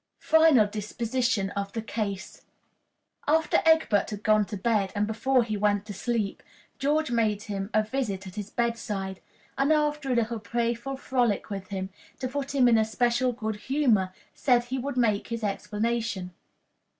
Final Disposition of the Case. After Egbert had gone to bed, and before he went to sleep, George made him a visit at his bedside, and, after a little playful frolic with him, to put him in special good humor, said he would make his explanation.